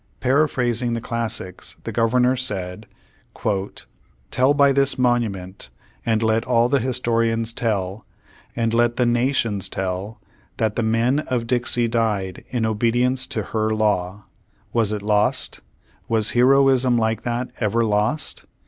"Paraphrasing the Classics" the Governor said : 'Tell by this monument, and let all the historians tell, and let the nations tell that the men of Dixie died in obedience to her law. Was it lost? Was heroism like that ever lost?